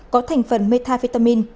có thành phần metafitamin